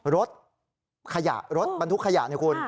รถขยะรถบรรทุกขยะนี่คุณ